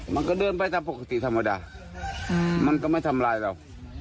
มันก็เดินไปตามปกติธรรมดามันก็ไม่ทำลายเรา